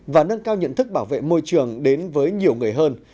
và nâng cao nhận thức bảo vệ môi trường đến với nhiều người hơn